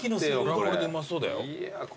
これはこれでうまそうだよ。